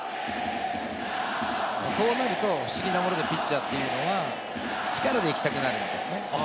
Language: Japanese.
こうなると不思議なものでピッチャーというのは力で行きたくなる。